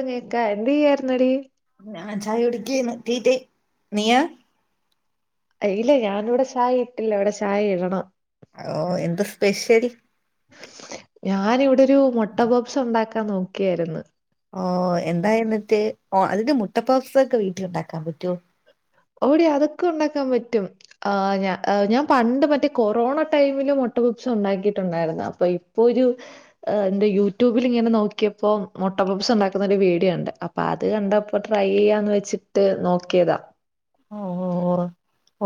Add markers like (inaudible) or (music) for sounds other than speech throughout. ആഹ് കേക്കാ എന്ത് ചെയ്യായിരുന്നടി? ഞാൻ ചായ കുടിക്കയ്നി റ്റി ടൈം നീയാ? അയില്ല ഞാൻ ഇവിടെ ചായ ഇട്ടില്ല ഇവിടെ ചായ ഇടണം. ഓ എന്താ സ്പെഷ്യൽ? ഞാൻ ഇവിടോരു മുട്ടപപ്സ് ഉണ്ടാക്കാൻ നോക്കിയായിരുന്നു. ഓ എന്തായി എന്നിട്ട് അതിന്റെ മുട്ടപ്പാസ് ഒക്കെ വീട്ടിൽ ഉണ്ടാക്കാൻ പറ്റോ? ഓടി അതൊക്കെ ഉണ്ടാക്കാൻ പറ്റും. ആഹ് ഞ ഞാൻ പണ്ട് മറ്റേ കൊറോണ ടൈമില് മുട്ട പപ്സ് ഉണ്ടാക്കിയിട്ടുണ്ടായിരുന്ന അപ്പൊ ഇപ്പൊ ഒരു എന്റെ യൂട്യൂബിൽ ഇങ്ങനെ നോക്കിയപ്പോ മൊട്ട പപ്സ് ഉണ്ടാക്കുന്ന ഒരു വീഡിയോ കണ്ടു അപ്പ അത് കണ്ടപ്പോ ട്രൈ ചെയ്യാന്ന് വെച്ചിട്ട് നോക്കിയതാ. ഓ ഓ ഓ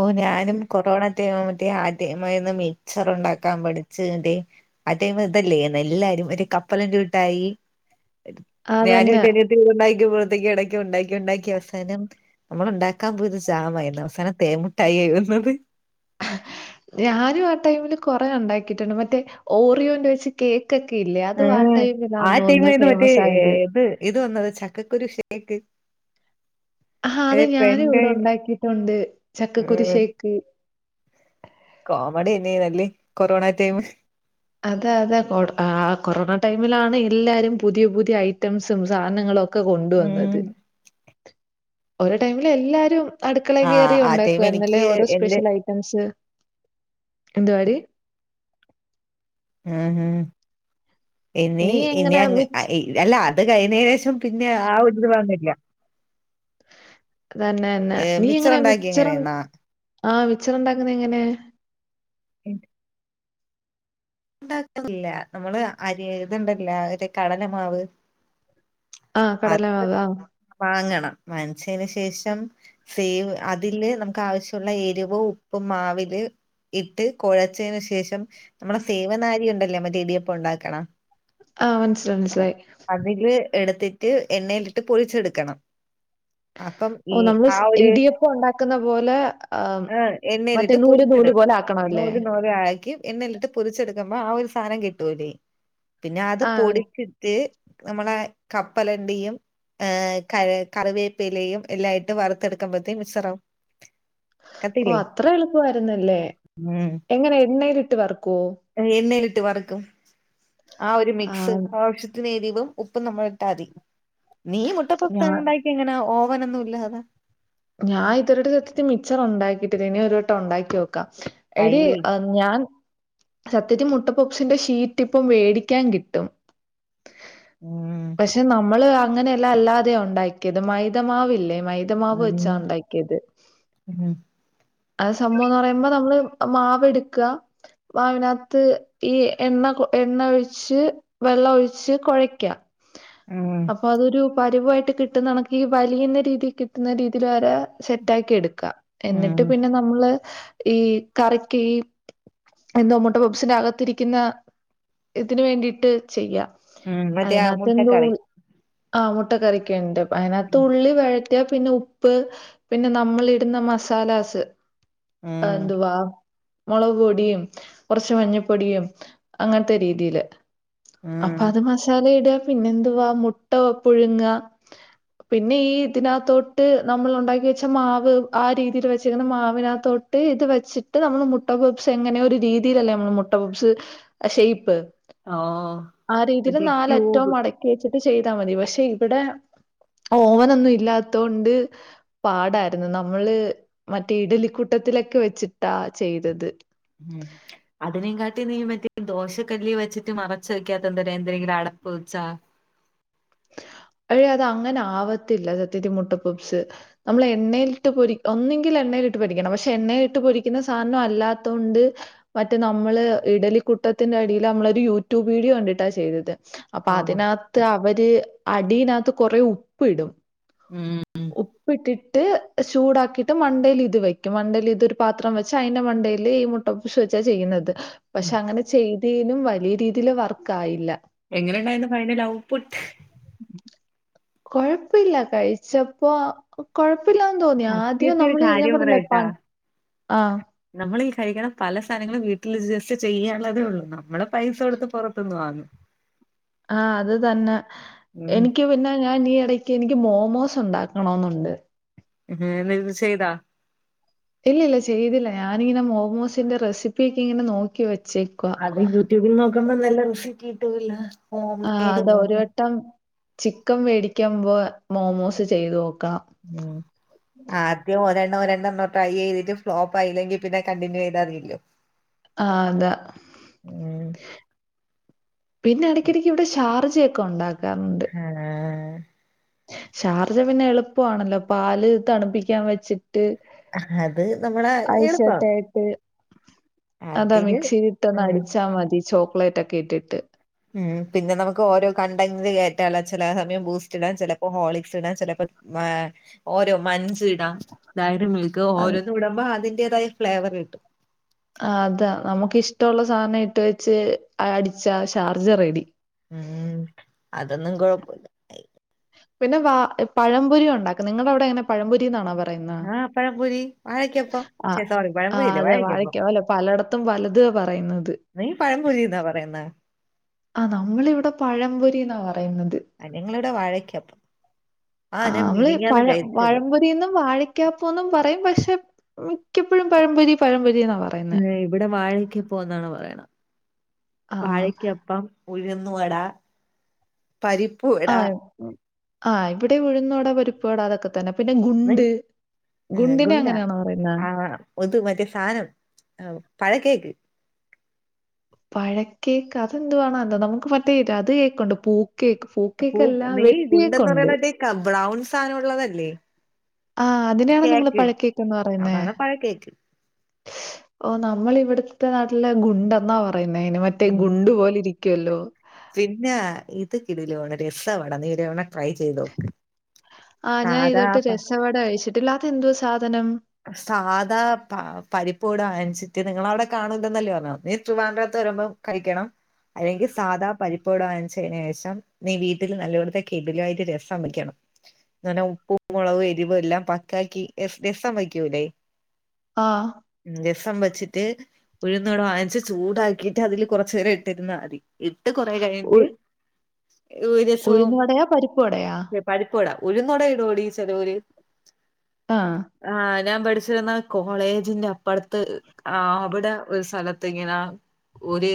ഓ ഞാനും കൊറോണ മറ്റ മറ്റേ ആദ്യമായിന്ന് മിക്ച്ചർ ഉണ്ടാക്കാൻ പഠിച്ന്റെ ആഹ് ടൈം ഇതല്ലേ എല്ലാരും ഒരു കപ്പലണ്ടി മിട്ടായി ഞാനും അതന്നെ എന്റെ അനിയതിംകൂടി ഉണ്ടാക്കിയ്പോഴത്തേക്കും ഇടക് ഉണ്ടാക്കി ഉണ്ടാക്കി അവസാനം നമ്മൾ ഉണ്ടാക്ക ആക്കാൻ പോയത് ജാമായിരുന്നു അവസാനം തേമുട്ടായിയായി വന്നത് ഞാനും ആ ടൈമില് കൊറെ ഉണ്ടാക്കിട്ടുണ്ട് മറ്റേ ഓറിയോന്റെ വെച്ച് കേക്കൊക്കെ ഇല്ലേ അത് ആ ഉം. ടൈമിലാ ആ തോന്നുന്നേ ടൈമായിരുന്നു മറ്റേ ഫേമസ് ഏ, ആയത് ഇത് ഇത് വന്നത് ചക്കക്കുരു ഷേക്ക് ആഹാ ഏ അത് പെൻ ഞാനും ഇവ്ടെ ഡ്രൈവ് ഉണ്ടാക്കിട്ടുണ്ട് ചക്കക്കുരു ഉം ഷേക്ക് കോമഡി തന്നെയനല്ലി കൊറോണ ടൈം. അതെ അതെ കൊ കൊറോണ ടൈമിലാണ് എല്ലാരും പുതിയ പുതിയ ഐറ്റംസും സാധനങ്ങളൊ ഉം കൊണ്ടുവന്നത് ഓരോ ടൈമില് എല്ലാരും അടുക്കളെ ആ കയറി ആ ടൈം ഉണ്ടാക്കുആയിരുന്നല്ലേ എനിക്ക് ഓരോ എന്റെ സ്പെഷ്യൽ ഐറ്റംസ് എന്തുവാടി ഉം ഉം ഇനി നീ ഇനി എങ്ങനെ അ മിക്സ് അല്ല അത് കഴിഞ്ഞതിന് ശേഷം പിന്നെ ആ ഒരുത് വന്നില്ല അതന്നെന്നെ ഏ നീ എങ്ങനെ ഉണ്ടാക്കി മിച്ചർ എങ്ങനെയെന്നാ ആഹ് മിച്ചറുണ്ടാക്കുന്നത് എങ്ങനെ ഉണ്ടാക്കുന്നില്ല നമ്മള് അരി ഇതുണ്ടല്ല ഒരു കടലമാവ് ആഹ് അത് കടലമാവ് ആ വാങ്ങണം വാങ്ങിച്ചയ്ന് ശേഷം. സേവ് അതില് നമുക്ക് ആവശ്യമുള്ള എരിവും ഉപ്പും മാവില് ഇട്ട് കുഴച്ചതിന് ശേഷം നമ്മളെ സേവനാരി ഉണ്ടല്ലേ മറ്റെടിയപ്പം ഉണ്ടാക്കണ ആ മനസി അതില് എടുത്തിട്ട് എണ്ണയിലിട്ട് പൊരിച്ചെടുക്കണം അപ്പം ഈ ഓ നമ്മള് ആ സ് ഒരു ഇടിയപ്പം ഉണ്ടാക്കുന്ന പോലെ ആ മറ്റേ എണ്ണയിലിട്ട് നൂല് നൂല് പൊരിച്ചട് പോലെ ആക്കണമല്ലേ നൂൽ നൂൽ ആക്കി എണ്ണയിലിട്ട് പൊരിച്ചെടുക്കുമ്പോ ആ ഒരു സാധനം കിട്ടൂല്ലേ പിന്നെ അത് ആ പൊടി ച്ചിട്ട് നമ്മളെ കപ്പലണ്ടിയും ആ കറിവേപ്പയിലയും എല്ലായിട്ടും വറുത്തെടുക്കുമ്പഴത്തേനും മിശ്രം ഓ അത്ര എളുപ്പമായിരൂന്നല്ലേ ഉം എങ്ങനെ എണ്ണയിൽ ഇട്ട് വറക്കുവോ? എണ്ണയിലിട്ട് വറക്കും ആ ഒരു മിക്സ് ആഹ് ആ ശ്യത്തിന് ഉപ്പും എറിവും നമ്മൾ ഇട്ടാതി നീ മുട്ട പപ്സ് ഞാ ഉ എങ്ങനെ ഓവനൊന്നും ഇല്ലതാ ഞാൻ ഇത് വരെയായിട്ട് സത്യത്തിൽ മിച്ചർ ഉണ്ടാക്കിട്ടില്ല ഇനി ഒരു വട്ടം ഉണ്ടാക്കി നോക്കാം വൈ. എടി ആ ഞാൻ സത്യത്തി മുട്ടപപ്പ്സിന്റെ ഷീറ്റ് ഇപ്പം വേടിക്കാൻ കിട്ടും. ഉം പക്ഷെ നമ്മള് അങ്ങനെയല്ല അല്ലാതെയ ഉണ്ടാക്കിയത് മൈദമാവില്ലേ മൈ- തമാവ് ഉം വെച്ചാ ഉണ്ടാക്കിയത്. ഉം അത് സംഭവംന്ന് പറയുമ്പോ നമ്മള് മാവ് എടുക്കുക വാ അതിനാത്ത് ഈ എണ്ണ എണ്ണ ഒഴിച്ച് വെള്ളം ഒഴിച്ച് കൊഴയ്ക്ക ഉം അപ്പൊ അതൊരു പരുവായിട്ട് കിട്ടുന്ന കണക്ക് ഈ വലിയുന്ന രീതി കിട്ടുന്ന രീ യില് വരെ സെറ്റ് ആക്കി എടുക്ക എന്നിട്ട് ഉം പിന്നെ നമ്മള് ഈ കറിക്ക് ഈ എന്തോ മൊട്ട പഫ്സിന്റെ അകത്തിരിക്കുന്ന ഇതിന് വേണ്ടിയിട്ട് ചെയ്യാം ഉം മറ്റേ ആ അതിനാത്തന്തോ മുട്ടക്കറി ആ മുട്ട കറിക്കുണ്ട് അയിനാത്ത് ഉം ഉള്ളി വഴറ്റിയ പിന്നെ ഉ ഉപ്പ് പിന്നെ നമ്മളിടുന്ന മസാലാസ് അ എന്തുവാ മൊളക് പൊടിയും കൊറച്ച് മഞ്ഞപ്പൊടിയും അങ്ങനത്തെ രീതിയില് അപ്പ ഉം അത് മസാല ഇടാ പിന്നെ എന്തുവാ മുട്ട പുഴുങ്ങ പിന്നെ ഈ ഇതിനാത്തോ ട്ട് നമ്മൾ ഉണ്ടാക്കി വെച്ച മാവ് ആ രീതിയിൽ വെച്ചിരിക്കുന്ന മാവിനാത്തോട്ട് ഇത് വെച്ച് ട്ട് നമ്മള് മുട്ട പഫ്സ് എങ്ങനയാ ഒരു രീതിയിലല്ലേ നമ്മൾ മുട്ട പപ്സ് അ ഷേപ്പ് ഓഹ് ആ രീതിയില് മറ്റേ നാലറ്റവും ക്യൂബ് മട (unintelligible) വച്ചിട്ട് ചെയ്താ മതി പക്ഷെ ഇവിടെ ഓവനൊന്നും ഇല്ലാത്തോണ്ട് പാടായിരുന്നു നമ്മള് മറ്റേ ഇഡലിക്കുട്ടത്തിലൊക്കെ വെച്ചിട്ടാ ചെയ്തത്. ഉം അതിനേ കാട്ടി നീ മറ്റേ ദോശക്കല്ലി വച്ചിട്ട് മറച്ച് വെക്കാത്ത എന്തര് എന്തരെങ്കിലും അടപ്പ് വെച്ചാ അഴേ അത് അങ്ങനെ ആവത്തില്ല സത്യത്തി മുട്ടപപ്പ്സ്. നമ്മൾ എണ്ണയിൽ ഇട്ട് പൊരിക്കണം ഒന്നെങ്കിൽ എണ്ണയിലിട്ട് പൊരിക്കണം ഒനകി എണ്ണയിലിട്ട് പൊരിക്കുന്ന സാധനം അല്ലാത്തൊണ്ട്. മറ്റേ നമ്മള് ഇഡലിക്കുട്ടത്തിന്റെ അടിയില് നമ്മളൊരു യൂട്യൂബ് വീഡിയോ കണ്ടിട്ടാ ചെയ്തത്. അപ്പൊ ആഹ് അതിനാത്ത് അവര് അടിനാത്ത് കൊറേ ഉപ്പ് ഇടും ഉം ഉപ്പിട്ടിട്ട് ചൂടാക്കിയിട്ട് മണ്ടേൽ ഇത് വെക്കും മണ്ടയിൽ ഇതൊരു പാത്രം വെച്ച് അയിന്റെ മണ്ടേല് ഈ മു ട്ടഫ്ശ് വെച്ചാ ചെയ്യുന്നത് പക്ഷെ അങ്ങനെ ചെയ്തേനും വലിയ രീതിയില് വർക്കായില്ല എങ്ങനെ ഉണ്ടായിരുന്നു ഫൈനൽ ഔ പുട്ട് കൊഴപ്പില്ല കഴിച്ചപ്പോ കൊഴപ്പില്ലാന്ന് തോന്നി ആദ്യം സത്യത്തി ഒരു നമ്മള് ഞാൻ കാര്യം പറഞ്ഞില്ലേ പറയട്ടാ പ ആ നമ്മളീ കഴിക്കണ പല സാധനങ്ങളും വീട്ടില് ഈ ജസ്റ്റ് ചെയ്യാ ഉള്ളതേ ഉള്ളു നമ്മള് പൈസ കൊടുത്ത് പൊറത്തുന്ന് വാങ്ങും ആ അത് തന്നെ ഉം എനിക്ക് പിന്നെ ഞാൻ ഈ എട ക്കെ എനിക്ക് മോമോസ് ഉണ്ടാക്കണോന്നുണ്ട് (unintelligible) ഇത് ചെയ്താ ഇല്ലില്ല ചെയ്തില്ല ഞാനിങ്ങനെ മോമോസിന്റെ റെസിപ്പിയെക്കെ ഇങ്ങനെ നോക്കി വെച്ചേക്കുവാ അത് യൂട്യൂബിൽ നോക്കുമ്പോ നല്ല റെസിറ്റി കിട്ടൂല്ല ആ അത് ഒരു വട്ടം ചിക്കൻ വേടിക്കമ്പോ മോമോസ് ചെയ്ത് നോക്കാം ഉം ആദ്യം ഒരെണം ഒരെണ്ണം ഒന്ന് ട്രൈ ചെയ്തിട്ട് ഫ്ലോപ്പായില്ലെങ്കി പിന്നെ കണ്ടിന്യൂ ചെയ്താതിയില്ലോ. ആഹ് അതാ ഉം പിന്നെ എടക്കിടക്ക് ഇവിടെ ഷാർജൊക്കെ ഒണ്ടാ ആഹ് ഷാർജ പിന്നെ എളുപ്പവാണല്ലോ പാല് തണുപ്പിക്കാൻ വെച്ച് ട്ട് അത് നമ്മളെ ഐസ് കട്ട എളുപ്പം ആയി ട്ട് അത് അതിന് മിക്സിയിലിട്ട് ഒന്ന് ഉം അടിച്ചാ മതി ചോക്ലേറ്റ് ഒക്കെ ഇട്ടിട്ട് ഉം പിന്നെ നമുക്ക് ഓരോ കണ്ടങ്ങത് കേറ്റാലോ ചെല സമയം ബൂസ്റ്റ് ഇടാൻ ചെലപ്പോ ഹോർളിക്സ് ഇടാൻ ചെലപ്പോ മാ ഓരോ മഞ്ച് ഇടാം ഡയറി മിൽ ക്ക് അത് ഓരോന്നും ഇടുമ്പോ അതിന്റേതായ ഫ്ലേവർ കിട്ടും. ആ അതാ നമുക്കിഷ്ട്ടൊള്ള സാധനം ഇട്ട് വെച്ച് അടിച്ചാ ഷാർജ റെഡി. ഉം അതൊന്നും കൊഴപ്പല്ല പിന്നെ വ പഴംപൊരി ഒണ്ടാക്കും നിങ്ങടെ അവിടെ എങ്ങന പഴംപൊരീന്നാണോ പ ആഹപഴംപൊരി വാഴയ്ക്കാപ്പം ഛെ സോറി പഴംപൊരി അല്ലേ വാഴയ്ക്കാപ്പം പലടത്തും പലത് പറയുന്നത് നീ പഴംപൊരിന്നാ പറയുന്ന ആ നമ്മളിവിടെ പഴംപൊരിന്നാ പറയുന്നത്. നിങ്ങളുടെ വാഴക്കപ്പം. ആ ആഹ് ഞാൻ നമ്മള് മിനിഞ്ഞാന്ന് പഴ കഴിച്ചത് വഴംപൊരിന്നും വാഴക്കാപ്പന്നും പറയും പക്ഷെ മിക്കപ്പോഴും പഴംപൊരി പഴംപൊരി എന്നാ ഏ, പറയുന്നേ ഇവിടെ വാഴക്ക ഇപ്പോന്നാണ് പറയ്ണ ആ വാഴക്കപ്പം ഉഴുന്ന് വടാ പരിപ്പൂർ ആ ആ ഇവിടെ ഉഴുന്നുവട പരിപ്പുവട അതൊക്കെ തന്നെ പിന്നെ ഉം, ഗുണ്ട് ഗുണ്ടിനെ അങ്ങനെയാണോ പറയുന്ന. ഒതു മറ്റേ സാനം ആ പഴ കേക്ക് പഴക്കേക്ക് അതെന്തുവാണോ എന്തോ നമുക്ക് മറ്റേ അത് കേക്കുണ്ട് പൂ കേക്ക് പൂ കേക്കല്ല നീ ഗുണ്ടെന്ന് വെട്ടികെക്കുണ്ട്. പറയണ ബ്രൗൺ സാധനം ഉള്ളതല്ലേ? ആഹ് അതിനാണ് നിങ്ങള് കേക്ക് പഴക്കേക്ക്ന്ന് പറയുന്നേ അതാണ് പഴക്കേക്ക് ഓ നമ്മൾ ഇവിടുത്തെ നാട്ടിലെ ഗുണ്ടെന്നാ പറയുന്നേ അയ്ന് മറ്റ ഉം. ഗുണ്ടു പോലെ ഇരിക്കുവല്ലോ പിന്നെ ഇത് കിടയിലോണ് രസമാണ് നീ ഒരുതവണ ട്രൈ ചെയ്ത് നോക്ക് ആഹ് ഞാൻ ഇതൊട്ട് സാധാ രസവട കഴിച്ചിട്ടില്ലാ അത് എന്തോ സാധനം സാധാ പരിപ്പുവട വാങ്ങിച്ചിട്ട് നിങ്ങള അവിടെ കാണൂല്ലന്നല്ലേ പറഞ്ഞേ നീ ട്രിവാൻഡ്രത്ത് വരുമ്പം കഴിക്കണം അല്ലെങ്കിൽ സാധാ പരിപ്പട വ വാങ്ങിച്ചതിന് ശേഷം നീ വീട്ടിൽ നല്ലോടത്തെ കിഡിലമായിട്ട് രസം വെക്കണം അങ്ങനെ ഉപ്പും മുളകും എരിവും എല്ലാം പക്കാക്കി രസം വയ്ക്കൂല്ലേ ആഹ് രസം വെച്ചിട്ട് ഉഴുന്ന് വട വാങ്ങിച്ച് ചൂടാക്കിട്ട് അതില് കുറച്ചു നേരം ഇട്ടിരുന്ന മതി ഇട്ട് കൊറെ ഉ കഴിഞ്ഞിട്ട് രസവും ഉഴുന്ന് വടയാ പരിപ്പ് വടയാ? പരിപ്പ് വട ഉഴുന്നു വട ഇടോടി ചെലോര് ആഹ് ആഹ് ഞാൻ പഠിച്ചിരന്നാ കോളേജിന്റെ അപ്പറത്ത് ആഹ് അവിടെ ഒരു സ്ഥലത്ത്ങ്ങനാ ഒരു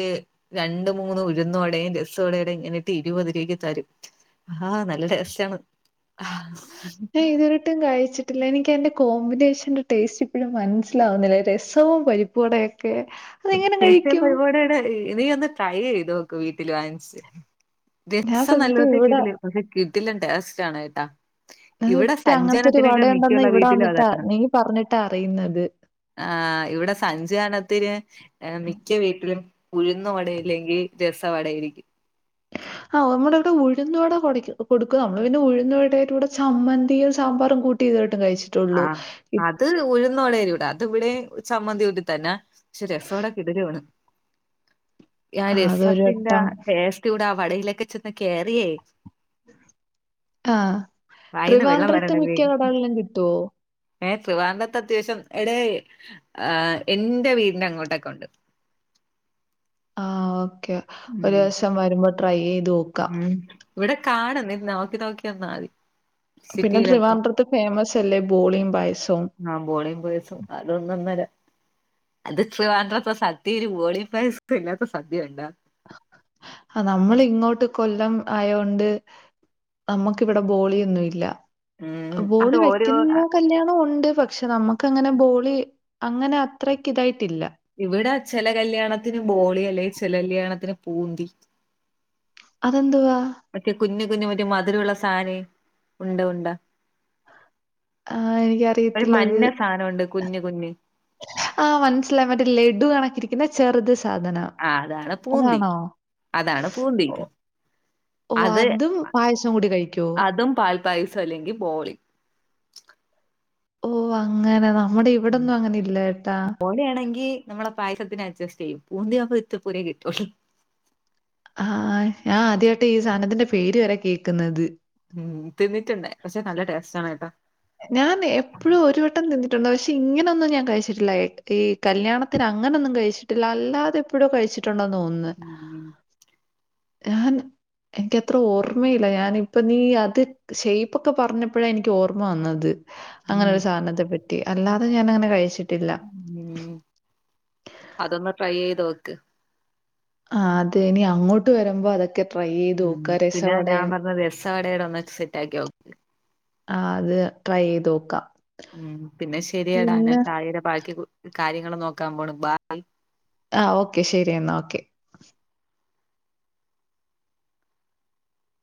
രണ്ട് മൂന്ന് ഉഴുന്ന് വടെയും രസവടെയും ഇങ്ങനെട്ട് ഇരുപത് രൂപക്ക് തരും ആഹ് നല്ല ടേസ്റ്റാണ് ആഹ് (unintelligible) തൊരു ട്ടും കഴിച്ചിട്ടില്ല എനിക്ക് അയിൻ്റെ കോമ്പിനേഷന്റെ ടേസ്റ്റ് ഇപ്പോഴും മനസ്സിലാവുന്നില്ല രസവും പരിപ്പുവടെയൊക്കെ ക്കെ രസം പരിപ്പുവടയുടെയും ഇയ് ഒന്ന് ട്രൈ ചെയ്ത് നോക്ക് വീട്ടിൽ വാങ്ങിച്ച് ഞാൻ രസം സത്യത്തി നല്ലവത്ത ഇവിടെ കിട്ടില്ല പക്ഷെ കിടിലൻ ടെസ്റ്റാണ് ട്ടാ (unintelligible) അങ്ങനത്തെ ഒരു വാടയുണ്ടെന്ന് ഇവിടെ വീട്ടിലും വന്നിട്ടാ അതാണ് നീ പറഞ്ഞിട്ടാ അറിയുന്നത് ആഹ് ഇവിടെ സഞ്ചു അണത്തിന് മിക്ക വീട്ടിലും ഉഴുന്ന് വടയില്ലെങ്കിൽ രസ വട ആയിരിക്കും (unintelligible) ആ നമ്മുടെ ഇവിടെ ഉഴുന്നുവട കൊടയ്ക്കും കൊടുക്കും നമ്മൾ പിന്നെ ഉഴുന്നവടയിലൂടെ ചമ്മന്തിയും സാമ്പറും കൂട്ടും (unintelligible) കഴിച്ച് ആഹ് അത് അത് ഉഴുന്ന് വടായിരിക്കുട്ടോ അത് ഇവിടെ ചമ്മന്തി കൂട്ടി തന്നെ പക്ഷെ രസം ഇവിടെ കിടിലമാണ് ആ ആഹ് അതൊരു രസത്തിന്റെ ആ വട്ടം ടേസ്റ്റ് കൂടെ ആ വടയിലേക്ക് ചെന്ന് കേയറിയേ ആഹ് വായിന്ന് വെള്ളം ത്രിവാൻഡ്രത്ത് മിക്ക കടകളിലും കിട്ടോ ഏ ത്രിവാൻഡ്രത്ത് അത്യാവശ്യം എടെ എന്റെ വീടിന്റെ അങ്ങോട്ടൊക്കെ ഉണ്ട് ആഹ് ഓക്കെ ഒരു ഉം ദിവസം വരുമ്പോ ട്രൈ ചെയ്ത് നോക്ക ഉം ഇവിടെ കാണും നീ നോക്കി നോക്കി വന്നാ മതി പിന്നെ സിറ്റിയിലൊക്കെ ട്രിവാൻഡ്രത്ത് ഫേമസ് അല്ലേ ബോളിം പായസവും ആബോളിം പായസം അത് ഒന്നന്നര അത് ത്റിവാണ്ട്റത് സദ്യയില് ഓളിപായസം ഇല്ലാത്ത സദ്യയണ്ടോ ആ നമ്മൾ ഇങ്ങോട്ട് കൊല്ലം ആയൊണ്ട് അമ്മക്കിവിടെ ബോളിയൊന്നും ഇല്ല ഉം അത് ബോളി ഓരോ വെക്കുന്ന കല്യാണോണ്ട് പശെ നമുക്കങ്ങനെ ബോളി അങ്ങനെ അത്രക്ക് തായിട്ടില്ല ഇവിടെ ചെല കല്യാണത്തിന് ബോളി അല്ലെ ചില കല്യാണത്തിന് പൂന്തി അതെന്തുവാ മറ്റെ കുഞ്ഞ്കുഞ്ഞ് മറ്റെ മധുരള്ള സാധന ഉണ്ട ഉണ്ട ആഹ് ഒരു മഞ്ഞ എനിക്കറിയത്തില്ലത്. സാധനമണ്ട് കുഞ്ഞ് കുഞ്ഞ് ആ മനസ്സിലായി മറ്റേ ലഡു കണക്കിരിക്ക്ണെ ചെറുത് സാധനം ആ അതാണ് പൂന്തി അതാണോ? അതാണ് പൂന്തി ഓ അത് അതും പായസം കൂടി കഴിക്കോ പായസ അല്ലെങ്കിൽ ബോളി അങ്ങനെ നമ്മടെ ഇവിടൊന്നും അങ്ങനെ ഇല്ല കേട്ടോ അവിടെയാണെങ്കി- നമ്മളെ പായസത്തിന് അഡ്ജസ്റ്റ് ചെയ്യും ഊന്തിപ് (unintelligible) ഇത്ത്പ്പൂരേ കിട്ടുള്ളൂ ആഹ് ഞാൻ ആദ്യായിട്ട് ഈ സാധനത്തിന്റെ പേര് വരെ കേൾക്കുന്നത് ഉം തിന്നിട്ടുണ്ട് പക്ഷെ നല്ല ടേസ്റ്റാണ് കേട്ടോ ഞാൻ എപ്പഴും ഒരു വട്ടം തിന്നി-ട്ടുണ്ട് പക്ഷെ ഇങ്ങനൊന്നും ഞാൻ കഴിച്ചിട്ടില്ല ഈ- കല്യാണത്തിന് അങ്ങനൊന്നും കഴിച്ചിട്ടില്ല അല്ലാതെ എപ്പോഴോ കഴിച്ചിട്ടുണ്ടന്ന് തോന്നുന്നു ഉം ആന് എനിക്കത്ര ഓർമ്മയില്ല ഞാനിപ്പ നീ അത് ഷേപ്പൊകെ പറഞ്ഞപ്പഴാ എനിക്ക് ഓർ- ഓർമ്മ വന്നത് അങ്ങനെ ഉം ഒരു സാനത്തെ പറ്റി അല്ലാതെ ഞാനങ്ങനെ കഴിച്ചിട്ടില്ല ഉം അതൊന്ന് ട്രൈ ചെയ്ത് നോക്ക് ആഹ് അതെ ഇനി അങ്ങോട്ട് വരുമ്പോ അതൊക്കെ- ട്രൈ ചെയ്ത് ഉം നോക്കാം പിന്നെ ഞാൻ രസവടയും പറഞ്ഞത് രസ വടയുടെ ഒന്ന് സെറ്റാക്കി നോക്ക് ആഹ് അത് ട്രൈ ചെയ്ത് നോക്കാം ഉം പിന്നെ ശരിയടാ ഞാൻ പിന്നെ ചായെടെ ബാകി കാര്യങ്ങൾ നോക്കാൻ പോണു ബായ് ആഹ് ഓക്കെ ശരി എന്നാൽ ഓക്കെ